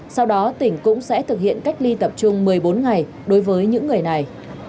sau đó tỉnh cũng sẽ thực hiện cách ly tập trung một mươi bốn ngày đối với những người này